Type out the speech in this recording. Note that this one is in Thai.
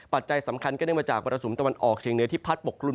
ปัจจัยสำคัญก็เนื่องมาจากมรสุมตะวันออกเชียงเหนือที่พัดปกกลุ่ม